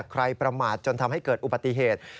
ประมาทจนทำให้เกิดอุบัติเหตุ